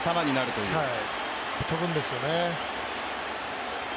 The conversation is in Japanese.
はい、飛ぶんですよね。